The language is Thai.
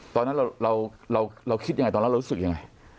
ตอนนั้นเราคิดยังไงตอนนั้นเรารู้สึกยังไง